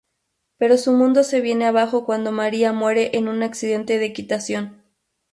Pero su mundo se viene abajo cuando María muere en un accidente de equitación.